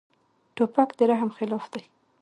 توپک د رحم خلاف دی.